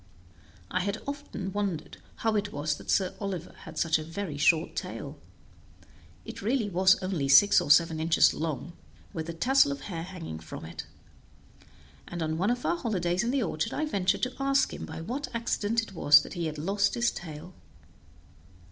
I had often wondered how it was that Sir Oliver had such a very short tail; it really was only six or seven inches long, with a tassel of hair hanging from it; and on one of our holidays in the orchard I ventured to ask him by what accident it was that he had lost his tail.